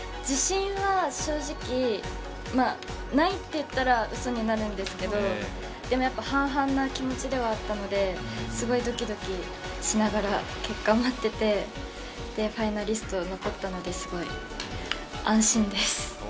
自信は正直ないっていったらうそになるんですけどでもやっぱ半々な気持ちではあったので、すごいドキドキしながら結果を待っててファイナリストに残ったので、すごい安心です。